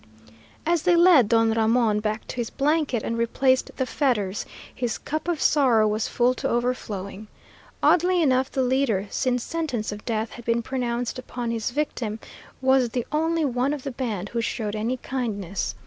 As they led Don Ramon back to his blanket and replaced the fetters, his cup of sorrow was full to overflowing. Oddly enough the leader, since sentence of death had been pronounced upon his victim, was the only one of the band who showed any kindness.